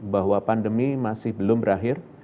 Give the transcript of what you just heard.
bahwa pandemi masih belum berakhir